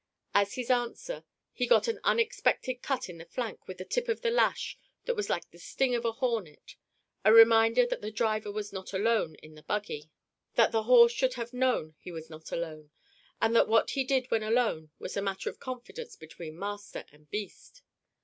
As his answer, he got an unexpected cut in the flank with the tip of the lash that was like the sting of a hornet: a reminder that the driver was not alone in the buggy; that the horse should have known he was not alone; and that what he did when alone was a matter of confidence between master and beast.